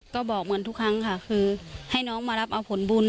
ก็บอกเหมือนทุกครั้งค่ะคือให้น้องมารับเอาผลบุญ